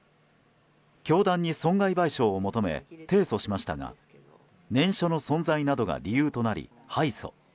教団に損害賠償を求め提訴しましたが念書の存在などが理由となり敗訴。